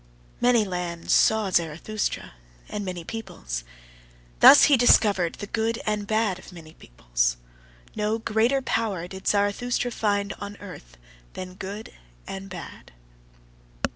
Many lands saw Zarathustra, and many peoples: thus he discovered the good and bad of many peoples. No greater power did Zarathustra find on earth than good and bad.